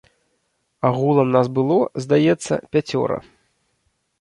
Агулам нас было, здаецца, пяцёра.